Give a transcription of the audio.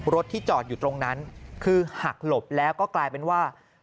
รถที่จอดอยู่ตรงนั้นคือหักหลบแล้วก็กลายเป็นว่า